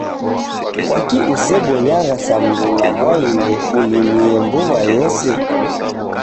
Kwaki usebonyagha sa mruna Mwaimbe ulimie mbuwa yose